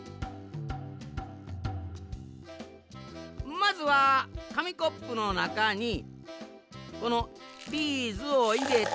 まずはかみコップのなかにこのビーズをいれて。